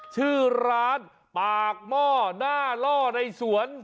ชื่อร้านปากหม้อหน้าล่อในสวน